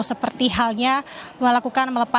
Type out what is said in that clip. seperti halnya melakukan melepas